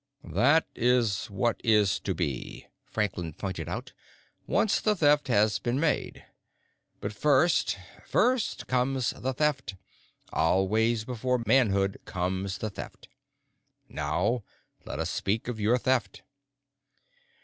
"That is what is to be," Franklin pointed out, "once the Theft has been made. But first, first comes the Theft. Always before manhood comes the Theft. Now let us speak of your Theft."